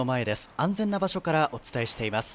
安全な場所からお伝えしています。